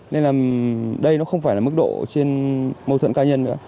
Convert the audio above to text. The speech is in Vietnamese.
nên là đây nó không phải là mức độ trên mâu thuẫn cá nhân nữa